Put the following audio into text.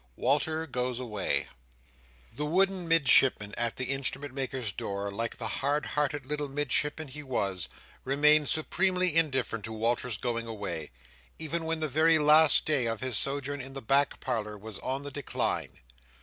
Walter goes away The wooden Midshipman at the Instrument maker's door, like the hard hearted little Midshipman he was, remained supremely indifferent to Walter's going away, even when the very last day of his sojourn in the back parlour was on the decline.